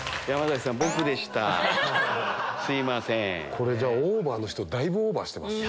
これオーバーの人だいぶオーバーしてますね。